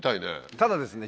ただですね